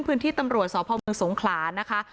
พื้นที่ตำรวจสพเมืองสงขลานะคะ